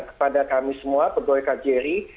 kepada kami semua pegawai kjri